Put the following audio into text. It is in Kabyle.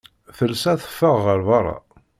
Telsa, teffeɣ ɣer berra.